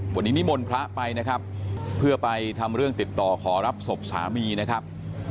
วันนี้นิมนต์พระไปนะครับเพื่อไปทำเรื่องติดต่อขอรับศพสามีนะครับ